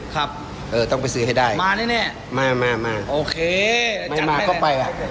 ครับเออต้องไปซื้อให้ได้มาเนี่ยไม่มาก็ไปลอย